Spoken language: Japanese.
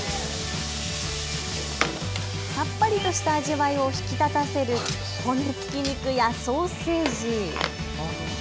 さっぱりとした味わいを引き立たせる骨付き肉やソーセージ。